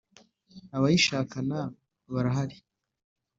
Abayishakana barahari.